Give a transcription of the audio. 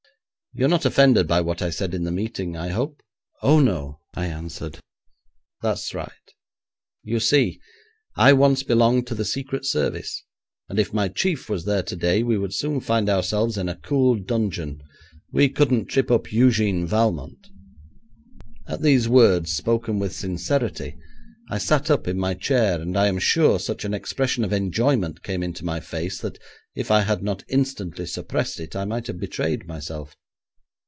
'You're not offended at what I said in the meeting, I hope?' 'Oh, no,' I answered. 'That's right. You see, I once belonged to the Secret Service, and if my chief was there today, we would soon find ourselves in a cool dungeon. We couldn't trip up Eugène Valmont.' At these words, spoken with sincerity, I sat up in my chair, and I am sure such an expression of enjoyment came into my face that if I had not instantly suppressed it, I might have betrayed myself.